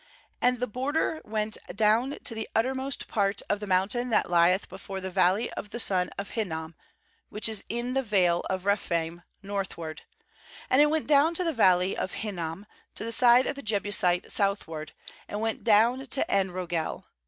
16And the border went 282 JOSHUA 19.16 down to the uttermost part of the mountain that lieth before the Valley of the son of Hinnom, which is in the vale of Rephaim northward; and it went down to the Valley of Einnom, to the side of the Jebusite southward, and went down to En rogel.